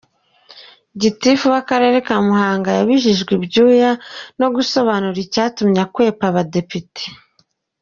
Gitifu w’Akarere ka Muhanga yabijijwe icyuya no gusobanura icyatumye akwepa Abadepite.